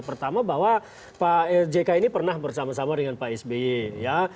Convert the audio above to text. pertama bahwa jkah ini pernah bersama sama dengan pak sby